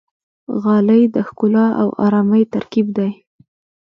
غالۍ د ښکلا او آرامۍ ترکیب دی.